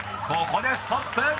［ここでストップ！